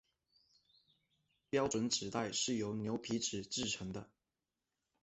标准纸袋是由牛皮纸制成的。